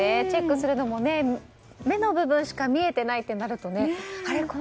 チェックするのも目の部分しか見えてないとなるとあれ？